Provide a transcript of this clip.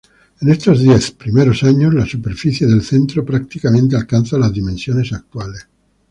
En estos diez primeros años, la superficie del centro prácticamente alcanza las dimensiones actuales.